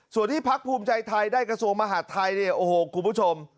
ส่วนที่พักภูมิใจไทยได้กระทรวงมหาดไทยเนี่ยโอ้โหคุณผู้ชม